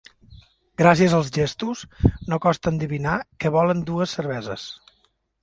Gràcies als gestos, no costa endevinar que volen dues cerveses.